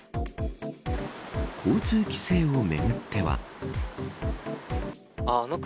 交通規制をめぐっては。